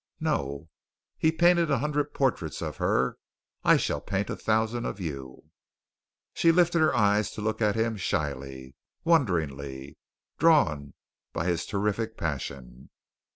"No." "He painted a hundred portraits of her. I shall paint a thousand of you." She lifted her eyes to look at him shyly, wonderingly, drawn by this terrific passion.